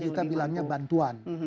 jadi kita bilangnya bantuan